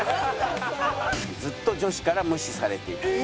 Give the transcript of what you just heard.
ずっと女子から無視されていた。